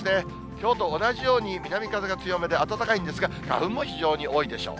きょうと同じように南風が強めで暖かいんですが、花粉も非常に多いでしょう。